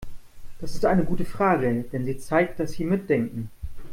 Das ist eine gute Frage, denn sie zeigt, dass Sie mitdenken.